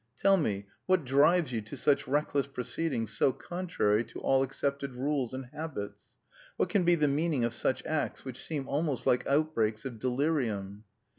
Tell me, what drives you to such reckless proceedings so contrary to all accepted rules and habits? What can be the meaning of such acts which seem almost like outbreaks of delirium?"